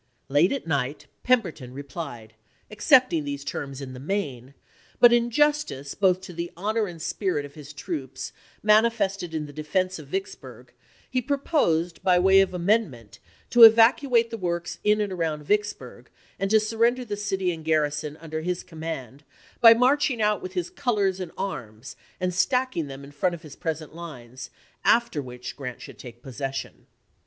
Late at night Pemberton replied, accepting these terms in the main, " but in justice both to the honor and spirit " of his troops, manifested in the defense of Vicksburg, he proposed by way of amendment to evacuate the works in and around Vicksburg, and to surrender the city and garrison under his command, by marching out with his colors and arms, and stacking them in front of his pres ent lines, after which Grant should take possession.